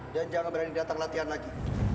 dan jangan berani datang latihan lagi